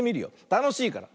たのしいから。